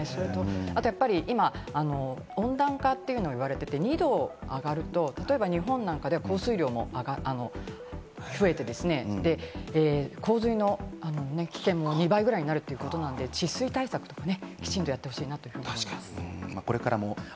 あと、今、温暖化を言われていて、２度上がると、例えば日本なんかで降水量も増えて、洪水の危険も２倍くらいになるということなんで、治水対策とか、きちんとやってほしいなと思います。